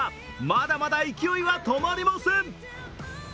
まだまだ勢いは止まりません。